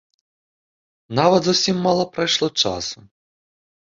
Нават зусім мала прайшло часу.